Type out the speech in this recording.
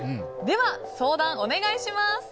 では、相談お願いします。